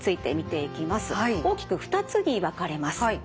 大きく２つに分かれます。